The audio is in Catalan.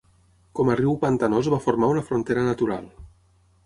Com a riu pantanós va formar una frontera natural.